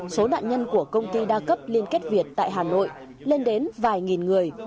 số nạn nhân của công ty đa cấp liên kết việt tại hà nội lên đến vài nghìn người